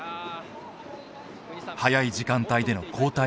早い時間帯での交代が増えた。